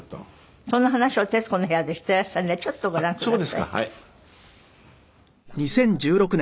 その話を『徹子の部屋』でしていらっしゃるんでちょっとご覧ください。